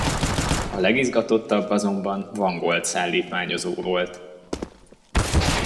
A legizgatottabb azonban Vangold szállítmányozó volt.